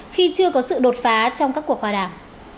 khi chưa có sự đột phá trong các cuộc hòa đàm